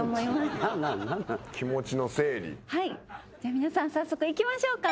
皆さん早速行きましょうか。